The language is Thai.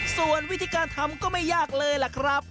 ส่วนวิธีการทำก็ไม่ยากเลยล่ะครับ